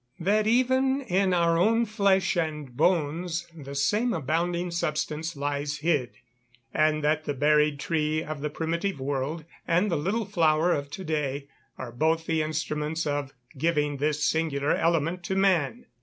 That even in our own flesh and bones the same abounding substance lies hid; and that the buried tree of the primitive world, and the little flower of to day, are both the instruments of giving this singular element to man!